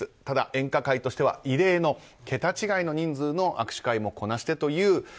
ただ、演歌界としては異例の桁違いの人数の握手会もこなしてという。